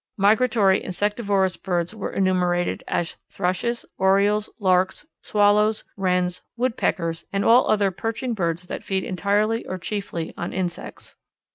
Migratory insectivorous birds were enumerated as Thrushes, Orioles, Larks, Swallows, Wrens, Woodpeckers, and all other perching birds that feed entirely or chiefly on insects.